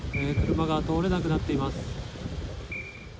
車が通れなくなっています。